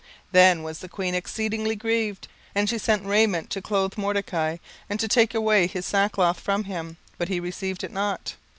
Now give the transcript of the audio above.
Then was the queen exceedingly grieved; and she sent raiment to clothe Mordecai, and to take away his sackcloth from him: but he received it not.